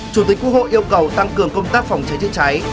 chủ tịch quốc hội yêu cầu tăng cường công tác phòng cháy chữa cháy